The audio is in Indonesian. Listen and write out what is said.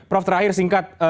prof terakhir singkat